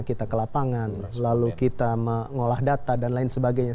kita ke lapangan lalu kita mengolah data dan lain sebagainya